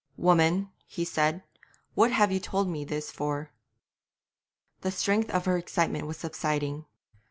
'Woman,' he said, 'what have you told me this for?' The strength of her excitement was subsiding.